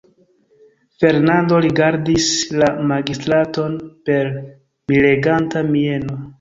Fernando rigardadis la magistraton per mireganta mieno.